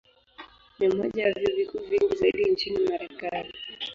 Ni moja ya vyuo vikuu vingi zaidi nchini Marekani.